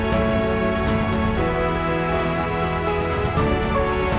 sedangkan lotta timon dalam hal bersejarah poles ringan dan penghijori juga sudah didadakkan sebagai perang akatar